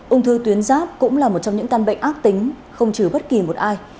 ung thư tuyến giáp cũng là một trong những căn bệnh ác tính không trừ bất kỳ một ai